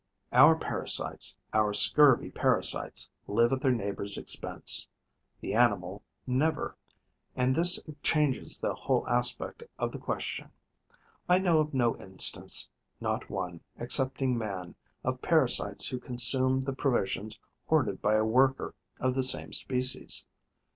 Our parasites, our scurvy parasites, live at their neighbour's expense: the animal never; and this changes the whole aspect of the question. I know of no instance, not one, excepting man, of parasites who consume the provisions hoarded by a worker of the same species.